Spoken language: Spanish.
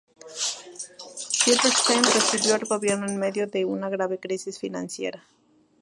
Petersen recibió el gobierno en medio de una grave crisis financiera.